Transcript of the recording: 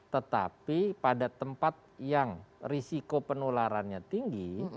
tetapi pada tempat yang risiko penularannya tinggi